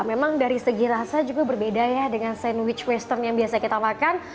memang dari segi rasa juga berbeda ya dengan sandwich western yang biasa kita makan